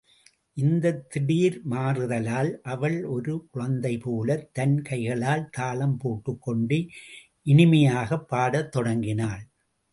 இந்தத் திடீர் மாறுதலால், அவள் ஒரு சிறு குழந்தைபோலத் தன் கைகளால் தாளம் போட்டுக்கொண்டு, இனிமையாகப் பாடத் தொடங்கினாள்.